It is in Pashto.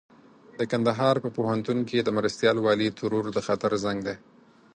د کندهار په پوهنتون کې د مرستيال والي ترور د خطر زنګ دی.